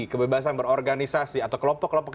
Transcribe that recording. kebebasan berorganisasi atau kelompok kelompok